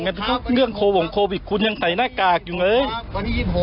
งั้นก็เรื่องโควิดคุณยังใส่หน้ากากอยู่เลย